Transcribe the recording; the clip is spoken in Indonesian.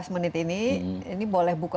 lima belas menit ini ini boleh buka